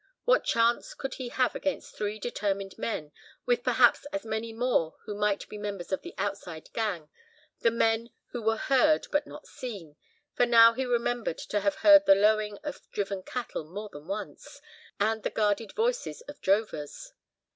What chance could he have against three determined men, with perhaps as many more who might be members of the outside gang, the men who were heard, but not seen, for now he remembered to have heard the lowing of driven cattle more than once, and the guarded voices of drovers.